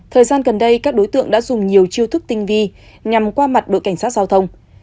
thời gian gần đây các đối tượng đã dùng nhiều chiêu thức tinh vi nhằm qua mặt đội cảnh sát giao thông